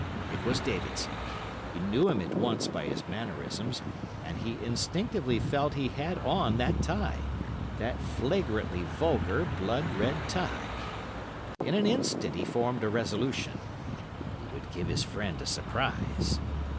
It was Davidson; he knew him at once by his mannerisms, and he instinctively felt he had on that tie—that flagrantly vulgar, blood red tie. In an instant he formed a resolution. He would give his friend a surprise.